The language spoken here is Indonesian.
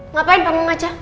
ngapain bangun aja